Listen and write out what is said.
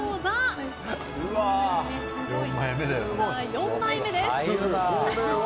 ４枚目です。